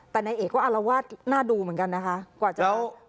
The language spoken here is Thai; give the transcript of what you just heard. แต่นายเอกก็อารวาสน่าดูเหมือนกันนะคะกว่าจะได้